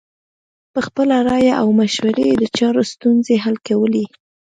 په خپله رایه او مشوره یې د چارو ستونزې حل کولې.